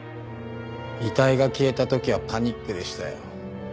遺体が消えた時はパニックでしたよ。